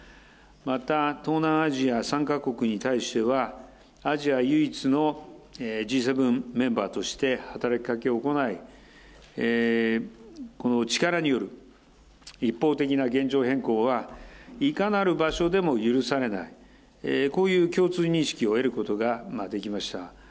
また東南アジア３か国に対しては、アジア唯一のＧ７メンバーとして働きかけを行い、力による一方的な現状変更は、いかなる場所でも許されない、こういう共通認識を得ることができました。